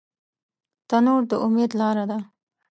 تنور د امید لاره ده